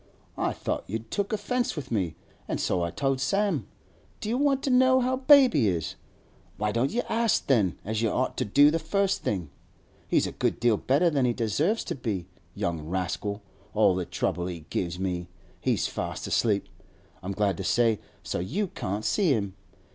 I thought you'd took offence with me, an' so I told Sam. Do you want to know how baby is? Why don't you ask, then, as you ought to do the first thing? He's a good deal better than he deserves to be, young rascal—all the trouble he gives me! He's fast asleep, I'm glad to say, so you can't see him.